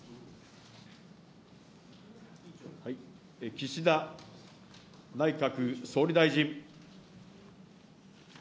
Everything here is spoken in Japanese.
岸田内閣総理大臣。